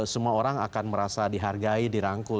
semua orang akan merasa dihargai dirangkul